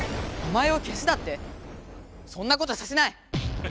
名前をけすだって⁉そんなことさせない！